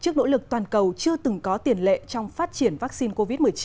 trước nỗ lực toàn cầu chưa từng có tiền lệ trong phát triển vaccine covid một mươi chín